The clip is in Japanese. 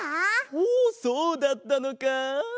ほうそうだったのか。